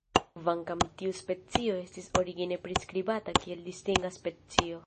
Kvankam tiu specio estis origine priskribata kiel distinga specio.